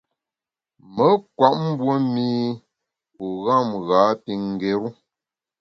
Me nkwet mbue mî u gham ghâ pi ngéru.